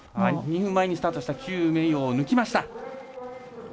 ２分前にスタートした邱明洋を抜きました。